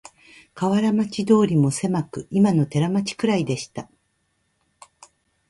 河原町通もせまく、いまの寺町くらいでした